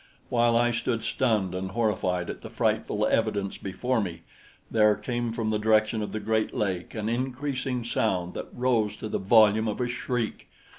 While I stood stunned and horrified at the frightful evidence before me, there came from the direction of the great lake an increasing sound that rose to the volume of a shriek.